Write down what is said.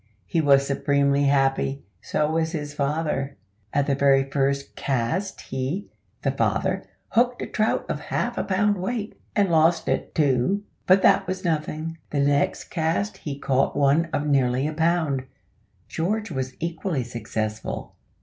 He was supremely happy so was his father. At the very first cast he, (the father), hooked a trout of half a pound weight, and lost it, too! but that was nothing. The next cast he caught one of nearly a pound. George was equally successful.